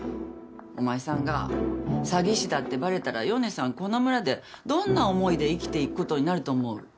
お前さんが詐欺師だってバレたらヨネさんこの村でどんな思いで生きていくことになると思う？